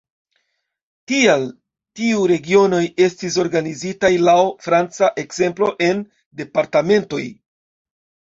Tial tiu regionoj estis organizitaj laŭ franca ekzemplo en departementoj.